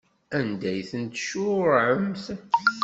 Anda ay ten-tcuṛɛemt?